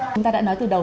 chúng ta đã nói từ đầu